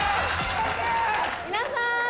皆さん。